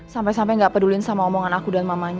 sampai sampai gak pedulin sama omongan aku dan mamanya